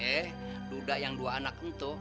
eh duda yang dua anak untuk